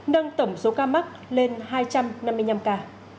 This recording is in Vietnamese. nâng tổng số ca mắc lên hai trăm năm mươi năm ca